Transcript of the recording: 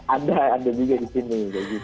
ada ada juga di sini